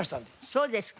そうですか。